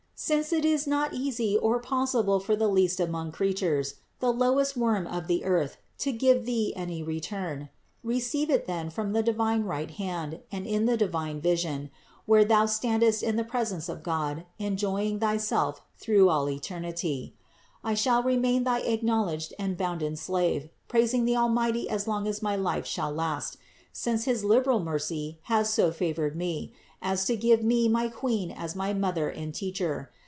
Since it is not easy or possible for the least among creatures, the lowest worm of the earth to give Thee any return : re ceive it then from the divine right hand and in the divine vision, where Thou standest in the presence of God en joying Thyself through all eternity : I shall remain thy acknowledged and bounden slave, praising the Almighty as long as my life shall last, since his liberal mercy has so favored me, as to give me my Queen as my Mother and Teacher.